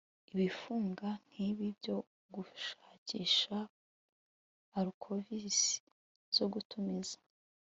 ibifunga nkibi byo gushakisha, alcoves zo gutumiza